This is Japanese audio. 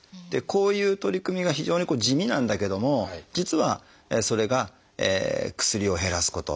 こういう取り組みは非常に地味なんだけども実はそれが薬を減らすこと。